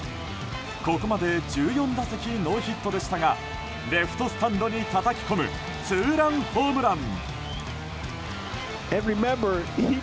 ここまで１４打席ノーヒットでしたがレフトスタンドにたたき込むツーランホームラン！